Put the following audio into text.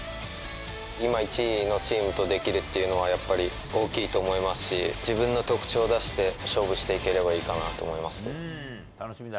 今、１位のチームとできるっていうのは、やっぱり大きいと思いますし、自分の特長を出して、勝負していければいいかなと思います。